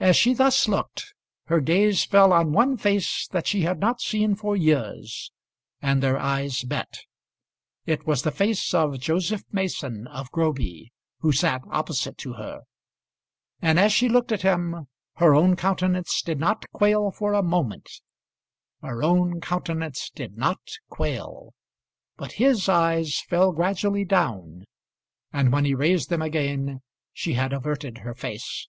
As she thus looked her gaze fell on one face that she had not seen for years, and their eyes met. It was the face of Joseph Mason of Groby, who sat opposite to her; and as she looked at him her own countenance did not quail for a moment. Her own countenance did not quail; but his eyes fell gradually down, and when he raised them again she had averted her face.